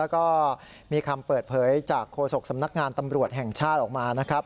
ก็มีคำเปิดเผยจากโฆษกสำนักงานตำรวจแห่งชาติออกมานะครับ